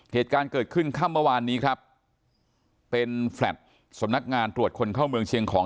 เหตุการณ์เกิดขึ้นค่ำเมื่อวานนี้ครับเป็นแฟลต์สำนักงานตรวจคนเข้าเมืองเชียงของ